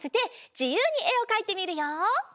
じゆうにえをかいてみるよ！